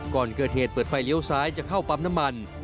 ก่อนเกิดเหตุเปิดไฟเลี้ยวซ้ายจะเข้าปั๊มน้ำมัน